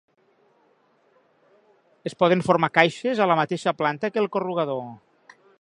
Es poden formar caixes a la mateixa planta que el corrugador.